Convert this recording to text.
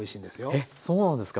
えっそうなんですか！